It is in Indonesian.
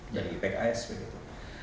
dari ipek as begitu